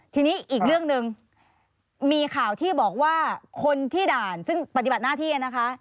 ทีนี้อีกเรื่องหนึ่งมีข่าวที่บอกว่าคนที่ด่านซึ่งปฏิบัติหน้าที่นะคะ